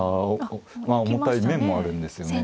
ああ重たい面もあるんですよね。